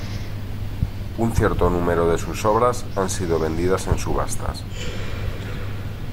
Un cierto número de sus obras han sido vendidas en subastas.